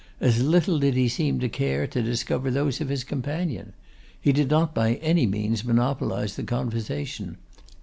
As little did he seem to care to discover those of his companion. He did not by any means monopolise the conversation.